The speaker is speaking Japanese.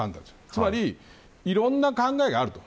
つまり、いろんな考えがあると。